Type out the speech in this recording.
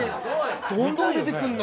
どんどん出てくんな。